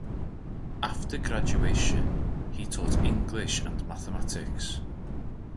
After graduation he taught English and mathematics.